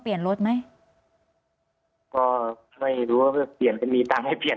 เปลี่ยนรถไหมก็ไม่รู้ว่าเพื่อเปลี่ยนจะมีตังค์ให้เปลี่ยน